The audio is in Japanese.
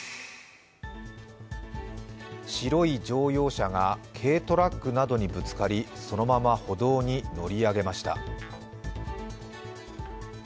白い乗用車が軽トラックなどにぶつかり、そのまま歩道に乗り上げました。